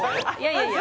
いやいや